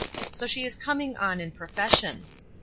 So she is coming in on pro fession.